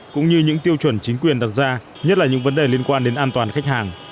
cũng như những tiêu chuẩn chính quyền đặt ra nhất là những vấn đề liên quan đến an toàn khách hàng